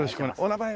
お名前は？